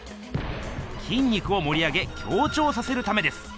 きん肉をもり上げ強ちょうさせるためです。